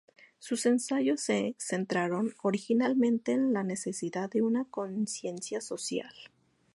Sus ensayos se centraron originalmente en la necesidad de una conciencia social.